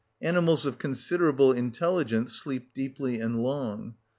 Animals of considerable intelligence sleep deeply and long.